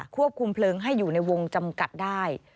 ควบคุมเพลิงให้อยู่ในวงจำกัดได้